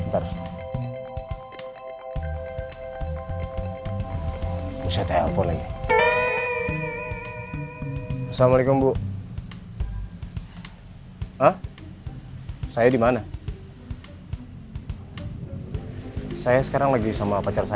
hai usah telfon lagi assalamualaikum bu saya dimana saya sekarang lagi sama pacar saya bu